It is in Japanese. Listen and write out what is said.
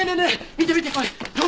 見て見てこれ！